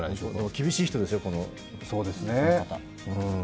厳しい人ですよ、この方。